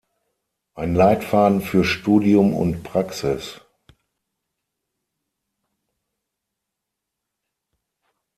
Ein Leitfaden für Studium und Praxis".